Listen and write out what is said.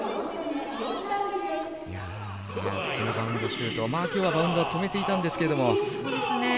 このバウンドシュートきょうはバウンド止めていたんですけど。